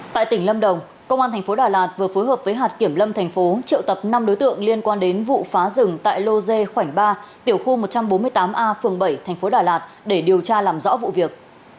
tại tỉnh lâm đồng công an thành phố đà lạt vừa phối hợp với hạt kiểm lâm thành phố triệu tập năm đối tượng liên quan đến vụ phá rừng tại lô dê khoảnh ba tiểu khu một trăm bốn mươi tám a phường bảy thành phố đà lạt để điều tra làm rõ vụ việc